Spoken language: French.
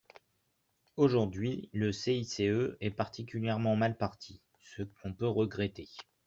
Aujourd’hui, le CICE est particulièrement mal parti, ce qu’on peut regretter.